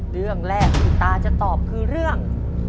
เรื่องแรกที่ตาจะตอบคือเรื่อง